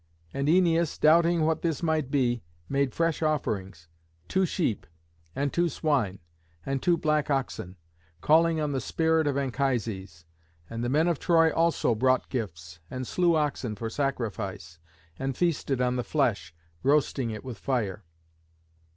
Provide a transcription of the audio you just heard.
And Æneas, doubting what this might be, made fresh offerings, two sheep, and two swine, and two black oxen, calling on the spirit of Anchises. And the men of Troy also brought gifts, and slew oxen for sacrifice, and feasted on the flesh, roasting it with fire.